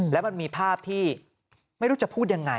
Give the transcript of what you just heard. แล้วมันมีภาพที่ไม่รู้จะพูดยังไง